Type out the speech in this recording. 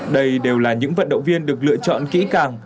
đây đều là những vận động viên được lựa chọn kỹ càng